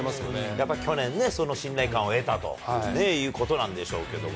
やっぱり去年ね、その信頼感を得たということなんでしょうけども。